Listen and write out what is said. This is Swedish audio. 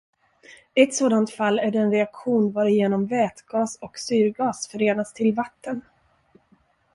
Ett sådant fall är den reaktion, varigenom vätgas och syrgas förenas till vatten.